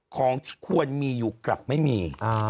ของที่ควรมีอยู่กลับไม่มี